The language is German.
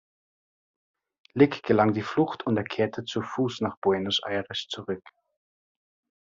Lick gelang die Flucht und er kehrte zu Fuß nach Buenos Aires zurück.